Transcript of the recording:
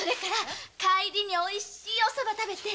帰りにおいしいおソバを食べて。